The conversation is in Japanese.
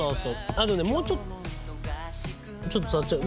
あのねもうちょっとちょっと触っちゃう。